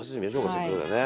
せっかくだからね。